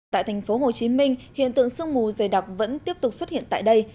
tại thành phố hồ chí minh hiện tượng sương mù dày đặc vẫn tiếp tục xuất hiện tại đây